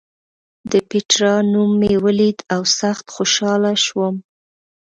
د پېټرا نوم مې ولید او سخت خوشاله شوم.